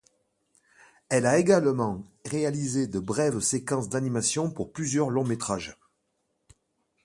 Elle a également réalisé de brèves séquences d'animation pour plusieurs longs métrages.